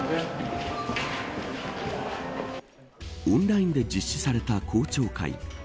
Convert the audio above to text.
オンラインで実施された公聴会。